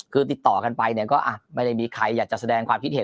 คือติดต่อกันไปเนี่ยก็ไม่ได้มีใครอยากจะแสดงความคิดเห็น